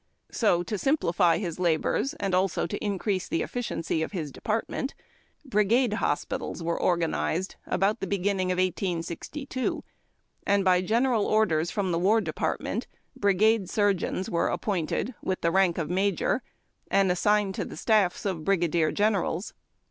So, to simplify his labors and also to increase the efficiency of his department, brigade hospitals were organized about the beginning of 1862, and by general orders from the war department brigade surgeons were appointed, with the rank of major, and assigned to the staffs of brigadier generals.